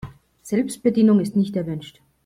Selbstbedienung ist nicht erwünscht.